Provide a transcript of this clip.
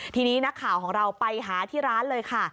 ทีนี้นักข่าวของเราไปหาที่ร้านเลยค่ะ